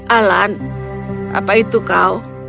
alan apa itu kau